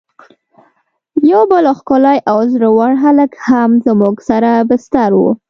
یو بل ښکلی او زړه ور هلک هم زموږ سره بستر و.